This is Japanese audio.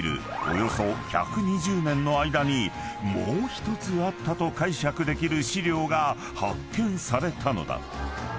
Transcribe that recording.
およそ１２０年の間にもう１つあったと解釈できる資料が発見されたのだ］